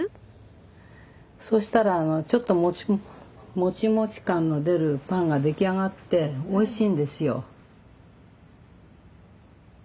そしたらちょっともちもち感の出るパンが出来上がっておいしいんですよ。